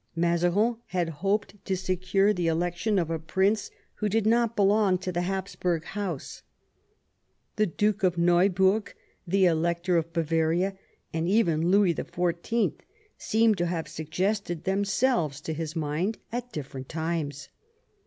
Mazarin had hoped to secure the election of a prince who did not belong to the Hapsburg house. The Duke of Neuburg, the Elector of Bavaria, and even Louis XIV. seem to have suggested themselves to his mind at different times.